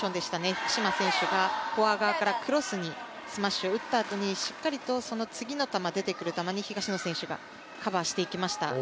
福島選手が、フォア側からクロスにスマッシュを打ったあとしっかりとその次の球出てくる球に東野選手がカバーしていきました。